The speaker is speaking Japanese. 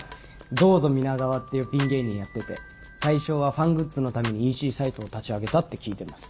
「どうぞ皆川」っていうピン芸人やってて最初はファングッズのためにＥＣサイトを立ち上げたって聞いてます。